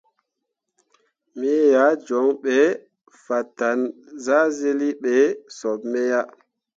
Me ah joŋ ɓe fatan zahzyilli ɓe sop me ah.